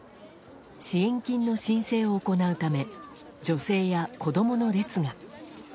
支援金の申請を行うため女性や子供の列が。